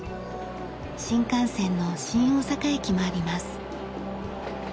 新幹線の新大阪駅もあります。